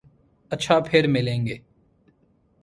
اچھا پھر ملیں گے۔